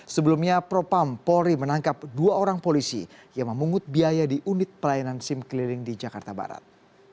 sebelumnya propam polri menangkap dua orang polisi yang memungut biaya di unit pelayanan sim keliling di jakarta barat